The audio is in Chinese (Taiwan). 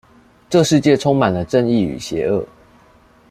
這世界充滿了正義與邪惡